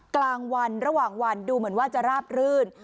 กลางวันระหว่างวันดูเหมือนว่าจะราบรื่น